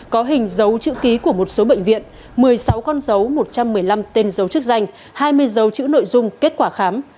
có hình dấu chữ ký của một số bệnh viện một mươi sáu con dấu một trăm một mươi năm tên dấu chức danh hai mươi dấu chữ nội dung kết quả khám